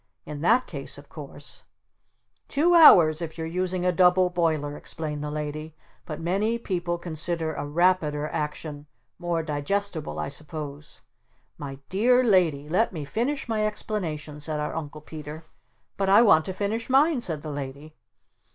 In that case of course " "Two hours if you're using a double boiler," explained the Lady, "but many people consider a rapider action more digestible, I suppose." "My dear Lady let me finish my explanation!" said our Uncle Peter. "But I want to finish mine!" said the Lady.